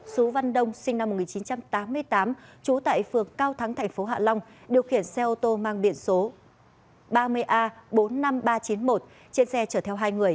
sú văn đông sinh năm một nghìn chín trăm tám mươi tám trú tại phường cao thắng tp hạ long điều khiển xe ô tô mang biển số ba mươi a bốn mươi năm nghìn ba trăm chín mươi một trên xe chở theo hai người